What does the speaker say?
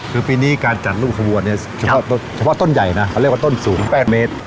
คือปีนี้การจัดลูกขบวนเนี่ยเฉพาะต้นใหญ่นะเขาเรียกว่าต้นสูง๘เมตร